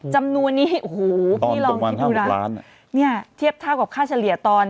จำนวนนี้โอ้โหพี่ลองคิดดูร้านเนี่ยเทียบเท่ากับค่าเฉลี่ยตอน